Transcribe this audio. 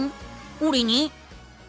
俺に？